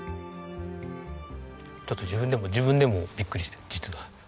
ちょっと自分でも自分でもビックリしてる実は。